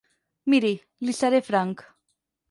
Miri, li seré franc.